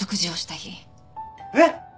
えっ！？